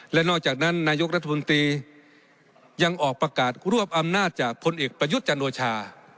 และนอกจากนั้นนายกรัฐมนตรียังออกประกาศรวบอำนาจจากพลเอกประยุทธ์จันโอชา